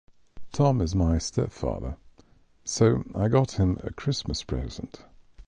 Tom is my stepfather, so I got him a Christmas present.